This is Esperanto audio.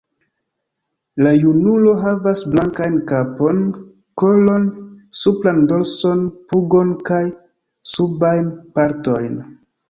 La junulo havas blankajn kapon, kolon, supran dorson, pugon kaj subajn partojn.